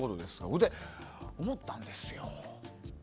これ、思ったんですよ。